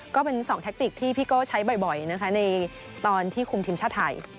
ก็เป็น๒แทคติกที่พี่โก้ใช้บ่อยนะคะในตอนที่คุมทีมชาติไทย